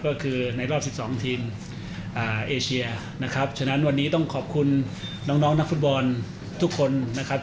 ก็คือในรอบ๑๒ทีมเอเชียนะครับฉะนั้นวันนี้ต้องขอบคุณน้องน้องนักฟุตบอลทุกคนนะครับ